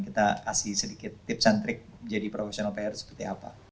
kita kasih sedikit tips and trik jadi profesional pr seperti apa